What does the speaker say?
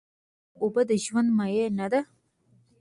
آیا اوبه د ژوند مایه نه ده؟